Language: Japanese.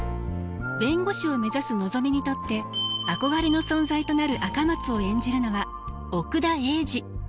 弁護士を目指すのぞみにとって憧れの存在となる赤松を演じるのは奥田瑛二。